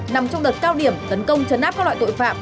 nằm trong đợt cao điểm tấn công chấn áp các loại tội phạm